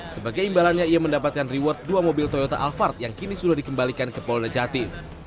sebagai imbalannya ia mendapatkan reward dua mobil toyota alphard yang kini sudah dikembalikan ke polda jati